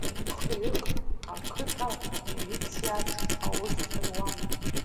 Хҩык ақыҭа милициаҿы аус руан.